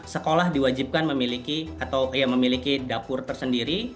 sekolah diwajibkan memiliki atau memiliki dapur tersendiri